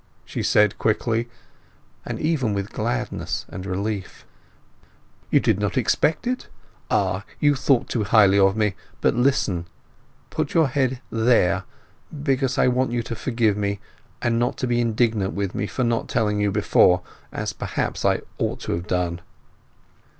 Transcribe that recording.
she said quickly, and even with gladness and relief. "You did not expect it? Ah—you thought too highly of me. Now listen. Put your head there, because I want you to forgive me, and not to be indignant with me for not telling you before, as perhaps I ought to have done."